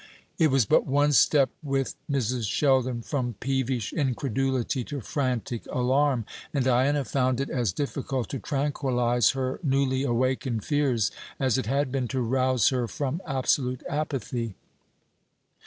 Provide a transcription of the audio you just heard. It was but one step with Mrs. Sheldon from peevish incredulity to frantic alarm; and Diana found it as difficult to tranquillise her newly awakened fears as it had been to rouse her from absolute apathy.